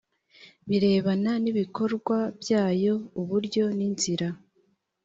birebana n ibikorwa byayo uburyo n inzira